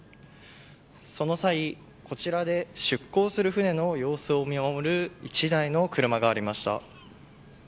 その際、こちらで出港する船の様子を見守る１台の車がありました。